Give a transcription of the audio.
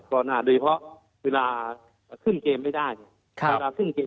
ก่อนหน้าโดยเพราะเวลาขึ้นเกมไม่ได้ครับเวลาขึ้นเกม